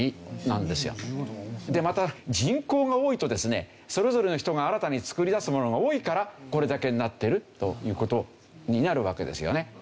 でまた人口が多いとですねそれぞれの人が新たに作り出すものが多いからこれだけになっているという事になるわけですよね。